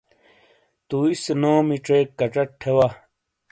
توئی سے نومی چیک کچٹ تھے وا۔